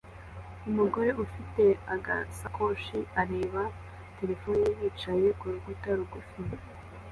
Umugore ufite agasakoshi areba terefone ye yicaye ku rukuta rugufi